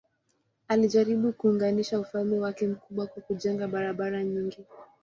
Alijaribu kuunganisha ufalme wake mkubwa kwa kujenga barabara nyingi.